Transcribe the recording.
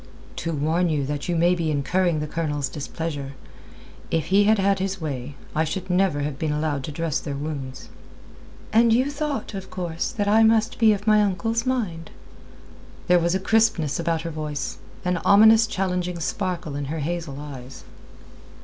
"To warn you that you may be incurring the Colonel's displeasure. If he had had his way, I should never have been allowed to dress their wounds." "And you thought, of course, that I must be of my uncle's mind?" There was a crispness about her voice, an ominous challenging sparkle in her hazel eyes.